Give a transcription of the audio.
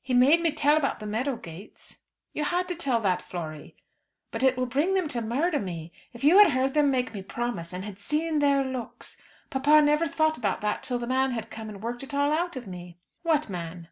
"He made me tell about the meadow gates." "You had to tell that, Flory." "But it will bring them to murder me. If you had heard them make me promise and had seen their looks! Papa never thought about that till the man had come and worked it all out of me." "What man?"